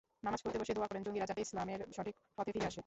নামাজ পড়তে বসে দোয়া করেন, জঙ্গিরা যাতে ইসলামের সঠিক পথে ফিরে আসে।